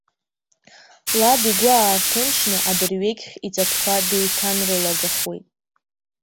Лад игәы аарҭынчны, адырҩегьх иҵатәқәа деиҭанрылагахуеит.